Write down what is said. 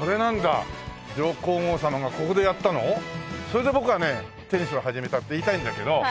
それで僕はテニスを始めたって言いたいんだけど。